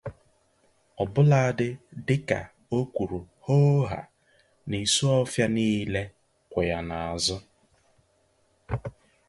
ọbụladị dịka o kwuru hoohaa na Isuọfịa niile kwụ ya n'azụ